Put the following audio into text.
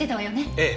ええ。